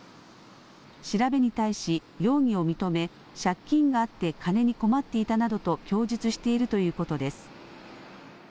調べに対し容疑を認め借金があって金に困っていたなどと供述しているということです。